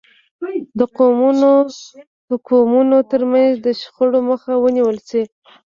د قومونو او توکمونو ترمنځ د شخړو مخه ونیول شي.